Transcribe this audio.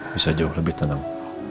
bisa jauh lebih tenang